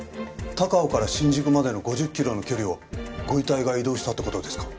高尾から新宿までの５０キロの距離をご遺体が移動したって事ですか？